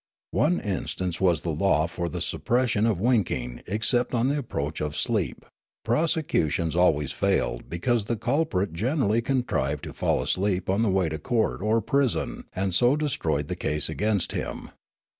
One instance was the law for the suppression of winking except on the approach of sleep ; prosecu tions always failed because the culprit generally con trived to fall asleep on the way to court or prison and so destroyed the case against him.